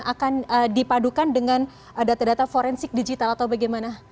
akan dipadukan dengan data data forensik digital atau bagaimana